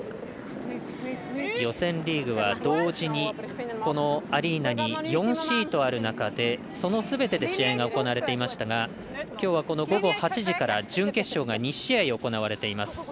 予選リーグは同時にこのアリーナに４シートある中でそのすべてで試合が行われていましたがきょうは、午後８時から準決勝が２試合行われています。